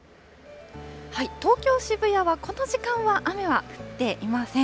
東京・渋谷はこの時間は雨は降っていません。